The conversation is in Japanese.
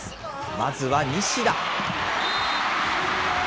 まずは西田。